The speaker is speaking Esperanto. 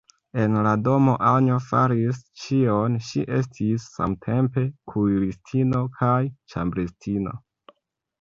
En la domo Anjo faris ĉion; ŝi estis samtempe kuiristino kaj ĉambristino.